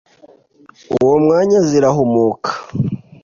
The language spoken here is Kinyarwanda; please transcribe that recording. uwo mwanya zirahumuka.